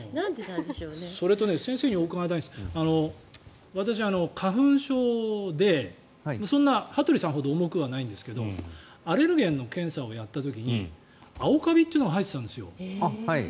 それと先生に伺いたいんですが私、花粉症でそんな、羽鳥さんほど重くはないんですがアレルゲンの検査をやった時に青カビというのが入ってたんですよ。